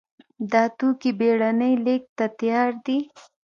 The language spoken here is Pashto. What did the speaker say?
دا توکي بېړنۍ لېږد ته تیار دي.